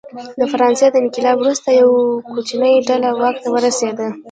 د فرانسې تر انقلاب وروسته یوه کوچنۍ ډله واک ته ورسېده.